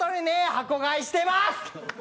箱買いしてます。